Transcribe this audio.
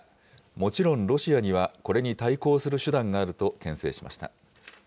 もちろんロシアにはこれに対抗する手段があるとけん制しました。